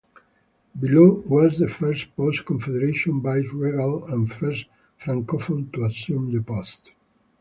Belleau was the first post-Confederation vice-regal and first francophone to assume the post.